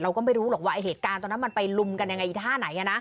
เราก็ไม่รู้หรอกว่าไอ้เหตุการณ์ตรงนั้นมันไปลุมกันยังไงท่าไหน